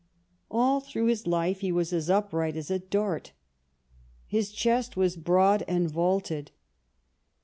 All through his life he was as upright as a dart. His chest was broad and vaulted.